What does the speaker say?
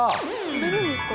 くれるんですか？